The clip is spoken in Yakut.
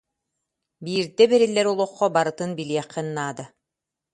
Биирдэ бэриллэр олоххо барытын билиэххин наада.